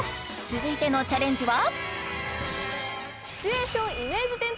続いてのチャレンジは？